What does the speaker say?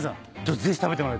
ぜひ食べてもらいたい。